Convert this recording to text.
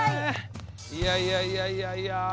いやいやいやいや。